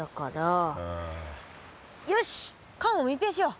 よし缶を密閉しよう。